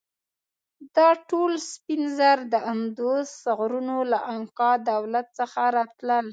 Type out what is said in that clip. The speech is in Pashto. دا ټول سپین زر د اندوس غرونو له انکا دولت څخه راتلل.